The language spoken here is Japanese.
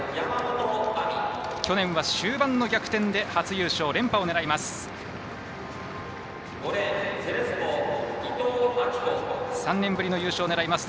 去年は終盤の逆転で初優勝、連覇を狙います。